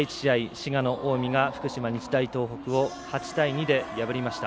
滋賀の近江が福島、日大東北を８対２で破りました。